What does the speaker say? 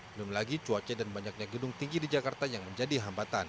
belum lagi cuaca dan banyaknya gedung tinggi di jakarta yang menjadi hambatan